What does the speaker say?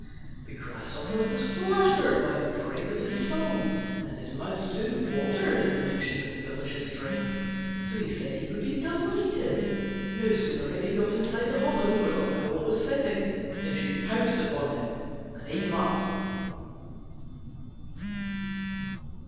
The Grasshopper was flattered by the praise of his song, and his mouth, too, watered at the mention of the delicious drink, so he said he would be delighted. No sooner had he got inside the hollow where the Owl was sitting than she pounced upon him and ate him up.